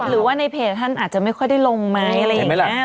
หรือว่าในเพจท่านอาจจะไม่ค่อยได้ลงไหมอะไรอย่างนี้